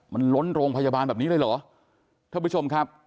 มันล้นโรงพยาบาลแบบนี้เลยเหรอท่านผู้ชมครับ